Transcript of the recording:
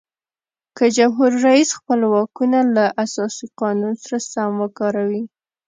که جمهور رئیس خپل واکونه له اساسي قانون سره سم وکاروي.